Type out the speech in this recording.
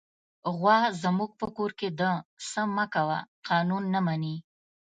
غوا زموږ په کور کې د "څه مه کوه" قانون نه مني.